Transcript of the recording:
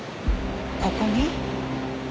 ここに？